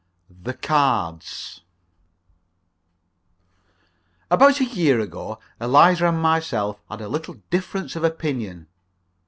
THE CARDS About a year ago Eliza and myself had a little difference of opinion.